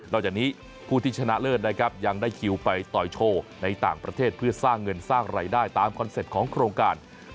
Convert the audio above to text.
จากนี้ผู้ที่ชนะเลิศนะครับยังได้คิวไปต่อยโชว์ในต่างประเทศเพื่อสร้างเงินสร้างรายได้ตามคอนเซ็ปต์ของโครงการ